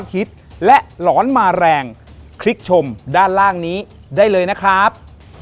ขอบคุณครับ